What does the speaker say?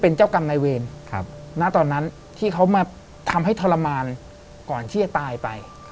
ทรมานก่อนที่จะตายไป